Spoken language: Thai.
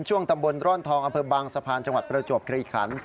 ช่วงตำบลร่อนทองอำเภอบางสะพานจังหวัดประจวบคลีขัน